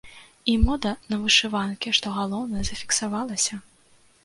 І мода на вышыванкі, што галоўнае, зафіксавалася!